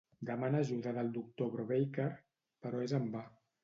Demana ajuda del doctor Brubaker, però és en va.